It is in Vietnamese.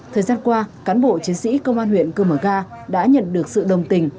thời gian qua cán bộ chiến sĩ công an huyện cư mở ga đã nhận được sự đồng tình